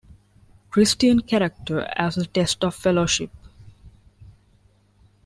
Christian character as a test of fellowship.